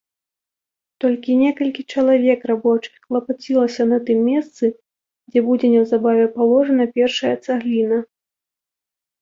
Толькі некалькі чалавек рабочых клапацілася на тым месцы, дзе будзе неўзабаве паложана першая цагліна.